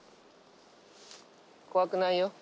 怖くないよ。